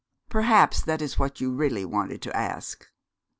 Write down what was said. Perhaps that is what you really wanted to ask.